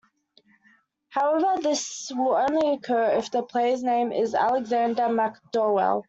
However this will only occur if the players name is Alexander McDowell.